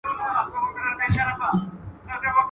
نور وګړي به بېخوبه له غپا وي !.